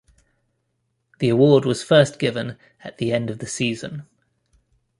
The award was first given at the end of the season.